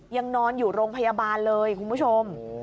ยังนอนอยู่โรงพยาบาลเลยคุณผู้ชม